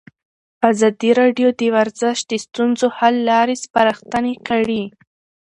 ازادي راډیو د ورزش د ستونزو حل لارې سپارښتنې کړي.